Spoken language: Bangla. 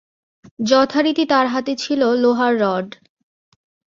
যথারীতি তার হাতে ছিল লোহার রড।